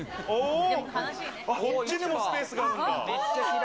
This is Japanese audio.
こっちにもスペースがあるんだ。